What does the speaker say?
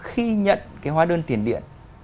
khi nhận cái hóa đơn tiền điện